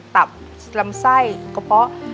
ตับลำไส้กระเพาะ